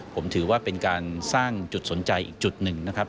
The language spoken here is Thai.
ผมถือว่าเป็นการสร้างจุดสนใจอีกจุดหนึ่งนะครับ